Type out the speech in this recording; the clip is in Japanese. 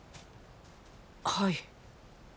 はい。